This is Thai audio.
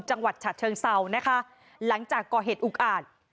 จังหวัดฉะเชิงเซานะคะหลังจากก่อเหตุอุกอาจ